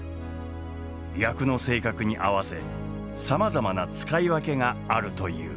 役の性格に合わせさまざまな使い分けがあるという。